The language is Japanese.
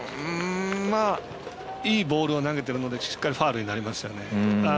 いいボールを投げているのでしっかりファウルになりましたよね。